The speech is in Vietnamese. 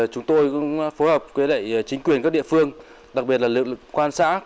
chúng tôi cũng phối hợp với chính quyền các địa phương đặc biệt là lực quan sát